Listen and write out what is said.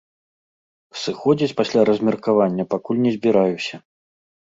Сыходзіць пасля размеркавання пакуль не збіраюся.